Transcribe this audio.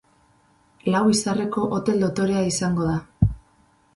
Lau izarreko hotel dotorea izango da.